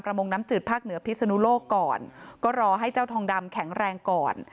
มงน้ำจืดภาคเหนือพิศนุโลกก่อนก็รอให้เจ้าทองดำแข็งแรงก่อน